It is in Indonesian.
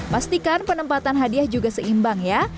pastikan penempatan hadiah juga seimbang ya